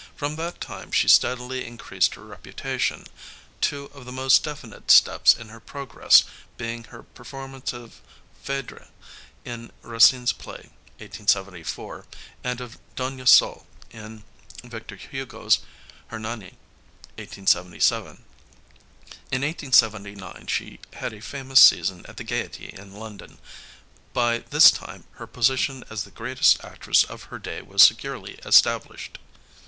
From that time she steadily increased her reputation, two of the most definite steps in her progress being her performances of Phčdre in Racine's play (1874) and of Dona Sol in Victor Hugo's Hernani (1877). In 1879 she had a famous season at the Gaiety in London. By this time her position as the greatest actress of her day was securely established.